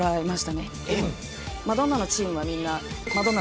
マドンナのチームはみんな。